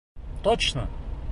Точно!